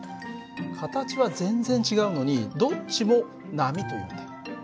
形は全然違うのにどっちも波というんだよ。